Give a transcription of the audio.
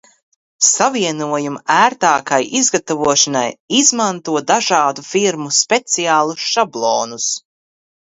Savienojuma ērtākai izgatavošanai izmanto dažādu firmu speciālus šablonus.